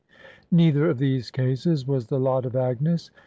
Neither of these cases was the lot of Agnes.